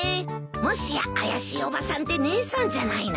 もしや怪しいおばさんて姉さんじゃないの？